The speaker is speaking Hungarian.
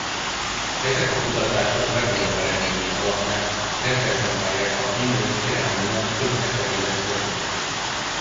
Ezek a kutatások legújabb eredményei alapján reprezentálják a kínai kerámia több ezer éves történetét.